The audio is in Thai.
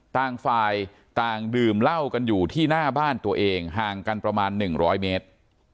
ตั้งฟายตั้งดื่มเหล้ากันอยู่ที่หน้าบ้านตัวเองห่างกันประมาณหนึ่งร้อยเมตร